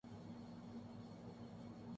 کم Kardashian مغرب سے نکل کر مشرق انے کی خواہاں